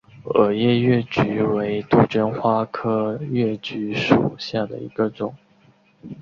耳叶越桔为杜鹃花科越桔属下的一个种。